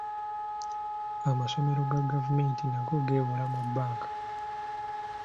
Amasomero ga gavumenti nago geewola mu bbanka.